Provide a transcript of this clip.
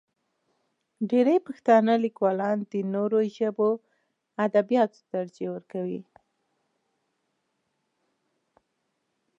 ډېری پښتانه لیکوالان د نورو ژبو ادبیاتو ته ترجیح ورکوي.